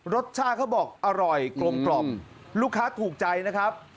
รสชาติเขาบอกอร่อยกลมลูกค้าถูกใจนะครับ